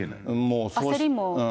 焦りも。